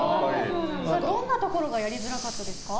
どんなところがやりづらかったですか？